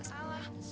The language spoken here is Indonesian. saya kan gak salah